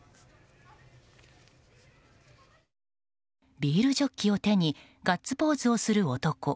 ビールジョッキを手にガッツポーズをする男。